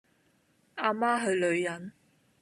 阿媽係女人